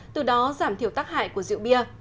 từ đó giảm thiểu tác hại của rượu bia